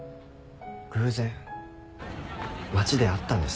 偶然街で会ったんです。